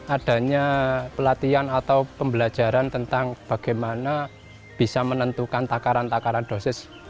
adanya pelatihan atau pembelajaran tentang bagaimana bisa menentukan takaran takaran dosis